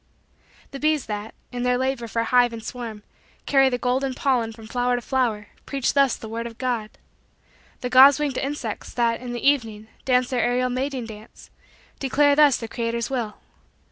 The bees, that, in their labor for hive and swarm, carry the golden pollen from flower to flower, preach thus the word of God. The gauze winged insects, that, in the evening, dance their aerial mating dance, declare thus the Creator's will.